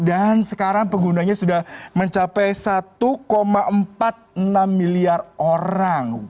dan sekarang penggunanya sudah mencapai satu empat puluh enam miliar orang